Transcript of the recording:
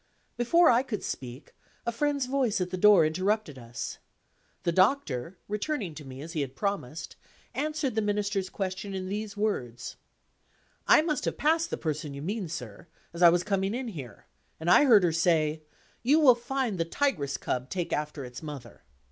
Before I could speak, a friend's voice at the door interrupted us. The Doctor, returning to me as he had promised, answered the Minister's question in these words: "I must have passed the person you mean, sir, as I was coming in here; and I heard her say: 'You will find the tigress cub take after its mother.